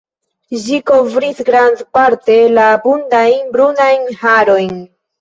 Ĝi kovris grandparte la abundajn brunajn harojn.